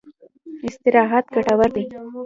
استراحت ګټور دی.